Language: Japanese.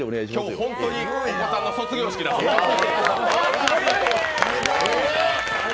今日本当に子供さんの卒業式だそうです。